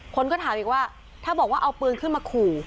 คนก็ถามอีกว่าถ้าบอกว่าเอาปืนขึ้นมาขู่